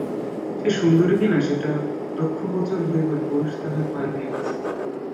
সে সুন্দরী কি না সেটা লক্ষ্যগোচর হইবার বয়স তাহার পার হইয়া গেছে।